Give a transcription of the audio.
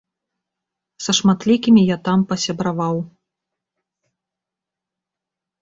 Са шматлікімі я там пасябраваў.